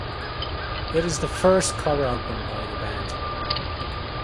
It is the first cover album by the band.